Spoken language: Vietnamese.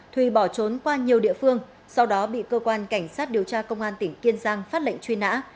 thùy bỏ trốn qua nhiều địa phương sau đó bị cơ quan cảnh sát điều tra công an tỉnh kiên giang phát lệnh truy nã